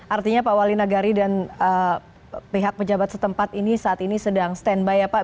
artinya pak wali nagari dan pihak pejabat setempat ini saat ini sedang stand by ya pak